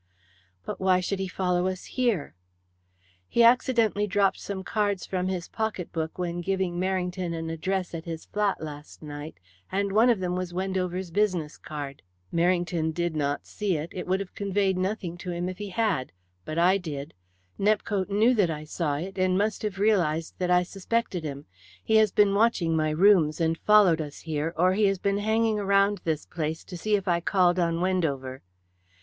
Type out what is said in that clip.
"But why should he follow us here?" "He accidentally dropped some cards from his pocket book when giving Merrington an address at his flat last night, and one of them was Wendover's business card. Merrington did not see it it would have conveyed nothing to him if he had but I did. Nepcote knew that I saw it, and must have realized that I suspected him. He has been watching my rooms and followed us here, or he has been hanging around this place to see if I called on Wendover."